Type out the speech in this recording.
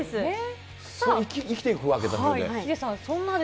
生きていくわけだ、それで。